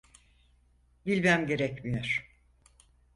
Bilmem gerekmiyor.